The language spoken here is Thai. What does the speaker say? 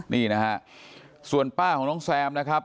นี่นะฮะส่วนป้าของน้องแซมนะครับ